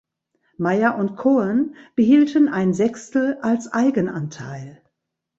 Meyer und Cohen behielten ein Sechstel als Eigenanteil.